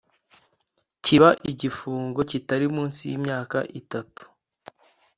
kiba igifungo kitari munsi y imyaka itatu